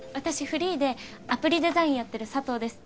フリーでアプリデザインやってる佐藤です